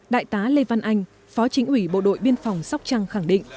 đại tá lê văn anh phó chính ủy bộ đội biên phòng sóc trăng khẳng định